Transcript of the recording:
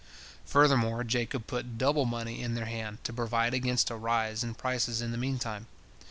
Furthermore, Jacob put double money in their hand to provide against a rise in prices in the meantime.